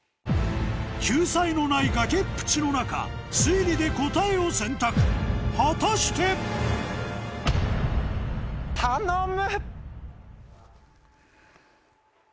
救済のない崖っぷちの中推理で答えを選択果たして⁉頼む！